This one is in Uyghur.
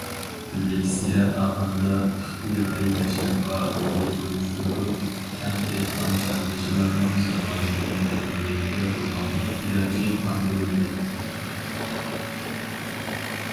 لېكسىيە ئاخىرىدا ئىختىيارى مەشرەپ پائالىيىتى ئۇيۇشتۇرۇلۇپ، كەڭ دېھقان- چارۋىچىلارنىڭ زامانىۋى مەدەنىيەتكە بولغان ئېھتىياجى قاندۇرۇلدى.